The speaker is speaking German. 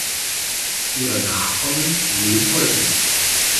Ihre Nachkommen leben heute noch.